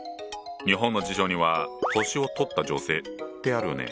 日本の辞書には「年をとった女性」ってあるね。